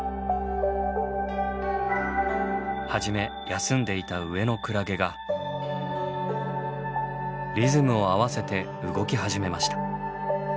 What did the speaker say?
初め休んでいた上のクラゲがリズムを合わせて動き始めました。